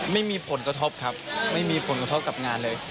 ไม่มีผลกระทบครับไม่มีผลกระทบกับงานเลย